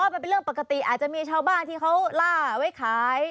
มันเป็นเรื่องปกติอาจจะมีชาวบ้านที่เขาล่าไว้ขาย